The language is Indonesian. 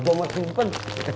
gak mau simpen